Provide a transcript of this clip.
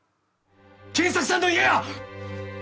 賢作さんの家や！